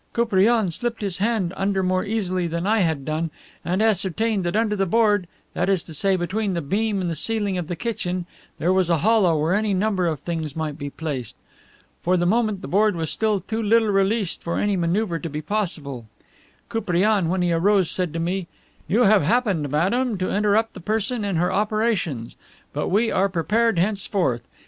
Koupriane slipped his hand under more easily than I had done, and ascertained that under the board, that is to say between the beam and the ceiling of the kitchen, there was a hollow where any number of things might be placed. For the moment the board was still too little released for any maneuver to be possible. Koupriane, when he rose, said to me, 'You have happened, madame, to interrupt the person in her operations. But we are prepared henceforth.